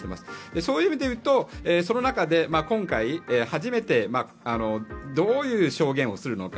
そういう意味で言うとその中で、今回初めてどういう証言をするのか。